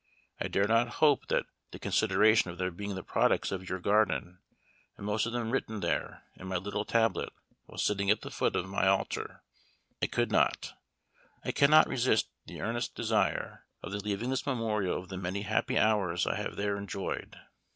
I dare not hope that the consideration of their being the products of your own garden, and most of them written there, in my little tablet, while sitting at the foot of my Altar I could not, I cannot resist the earnest desire of leaving this memorial of the many happy hours I have there enjoyed.